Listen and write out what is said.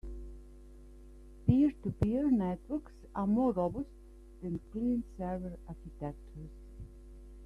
Peer-to-peer networks are more robust than client-server architectures.